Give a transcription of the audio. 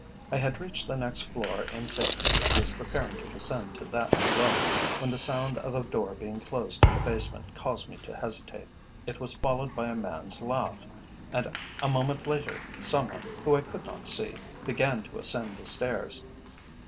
I had reached the next floor in safety and was preparing to descend to that below, when the sound of a door being closed in the basement caused me to hesitate. It was followed by a man's laugh, and a moment later, some one, who I could not see, began to ascend the stairs.